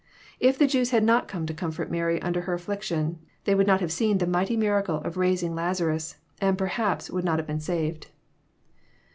If the Jews had not come to comfort Mary under her afiliction, they would not have seen the mighty miracle of raising Lazarus, and per haps would not have been saved.